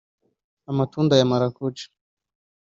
amatunda ya marakuja